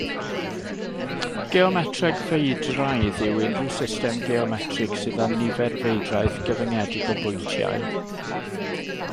Geometreg feidraidd yw unrhyw system geometrig sydd â nifer feidraidd, gyfyngedig o bwyntiau.